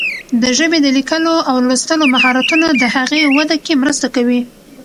د ژبې د لیکلو او لوستلو مهارتونه د هغې وده کې مرسته کوي.